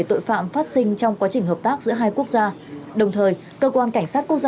tội phạm phát sinh trong quá trình hợp tác giữa hai quốc gia đồng thời cơ quan cảnh sát quốc